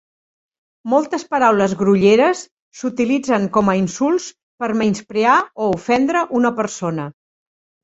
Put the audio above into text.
Moltes paraules grolleres s'utilitzen com a insults per a menysprear o ofendre una persona.